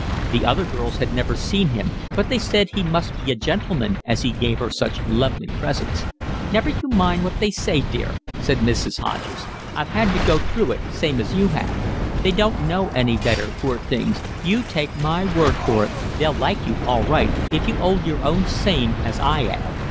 The other girls had never seen him, but they said he must be a gentleman as he gave her such lovely presents. "Never you mind what they say, dear," said Mrs. Hodges. "I've 'ad to go through it same as you 'ave. They don't know any better, poor things. You take my word for it, they'll like you all right if you 'old your own same as I 'ave."